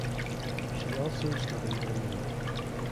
She also studied in London.